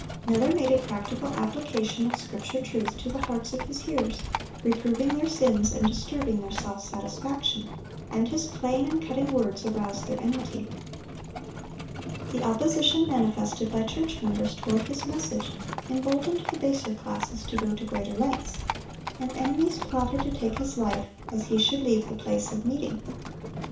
Miller made a practical application of Scripture truth to the hearts of his hearers, reproving their sins and disturbing their self satisfaction, and his plain and cutting words aroused their enmity. The opposition manifested by church members toward his message, emboldened the baser classes to go to greater lengths; and enemies plotted to take his life as he should leave the place of meeting.